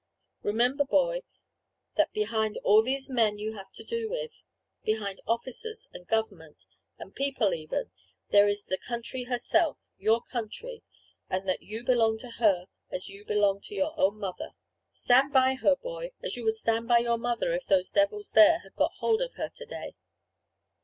Remember, boy, that behind all these men you have to do with, behind officers, and government, and people even, there is the Country Herself, your Country, and that you belong to Her as you belong to your own mother. Stand by Her, boy, as you would stand by your mother, if those devils there had got hold of her to day!"